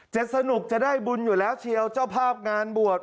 สนุกจะได้บุญอยู่แล้วเชียวเจ้าภาพงานบวช